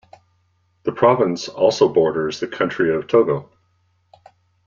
The province also borders the country of Togo.